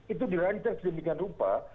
itu dirancang kejadian rupa